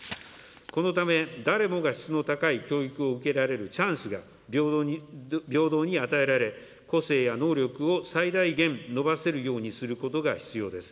このため、誰もが質の高い教育を受けられるチャンスが平等に与えられ、個性や能力を最大限伸ばせるようにすることが必要です。